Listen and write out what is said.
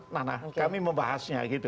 nah nah kami membahasnya gitu